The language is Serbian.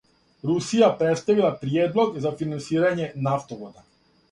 Русија представила приједлог за финансирање нафтовода